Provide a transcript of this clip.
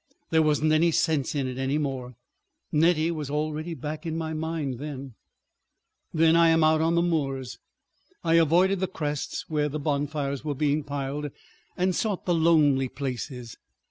There wasn't any sense in it any more. Nettie was already back in my mind then. ... Then I am out on the moors. I avoided the crests where the bonfires were being piled, and sought the lonely places.